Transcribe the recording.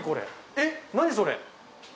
えっ何それ？